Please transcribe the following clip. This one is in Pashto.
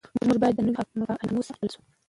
موږ باید د نویو مفاهیمو سره بلد شو.